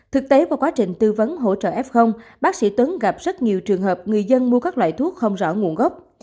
thực tế qua quá trình tư vấn hỗ trợ f bác sĩ tuấn gặp rất nhiều trường hợp người dân mua các loại thuốc không rõ nguồn gốc